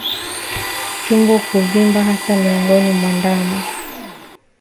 Tumbo kuvimba hasa miongoni mwa ndama